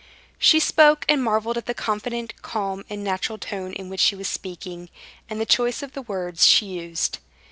She spoke, and marveled at the confident, calm, and natural tone in which she was speaking, and the choice of the words she used.